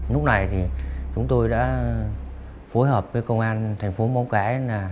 lúc này thì chúng tôi đã phối hợp với công an thành phố móng cái